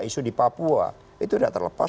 isu di papua itu sudah terlepas